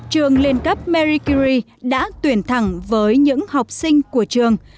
trường liên cấp mercury đã tuyển thẳng với những học sinh của trường